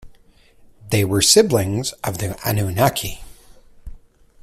They were siblings of the Anunnaki.